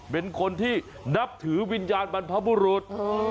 เป็นคนที่นับถือวิญญาณบรรพบุรุษ